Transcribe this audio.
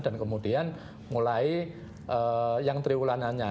dan kemudian mulai yang triwulanannya